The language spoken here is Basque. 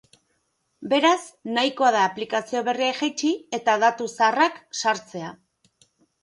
Beraz, nahikoa da aplikazio berria jaitsi, eta datu zaharrak sartzea.